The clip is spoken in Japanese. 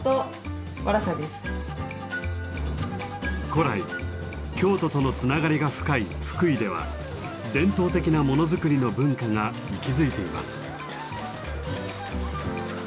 古来京都とのつながりが深い福井では伝統的なものづくりの文化が息づいています。